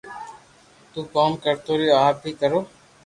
تو ڪوم ڪرتو رھيو آپ اي ڪرو